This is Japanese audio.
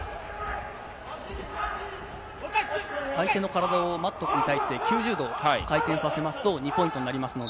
相手の体をマットに対して９０度回転させますと２ポイントになります。